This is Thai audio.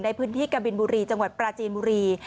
ในพื้นที่กบินบุรีจังหวัดปราจีนบุรี